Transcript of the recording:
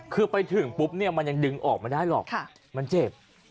คือไปถึงปุ๊บเนี่ยมันยังดึงออกไม่ได้หรอกมันเจ็บ